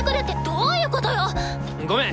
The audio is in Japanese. ごめん！